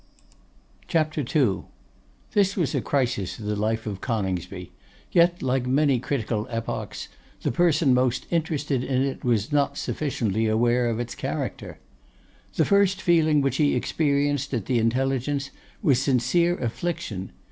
This was a crisis in the life of Coningsby; yet, like many critical epochs, the person most interested in it was not sufficiently aware of its character. The first feeling which he experienced at the intelligence was sincere affliction.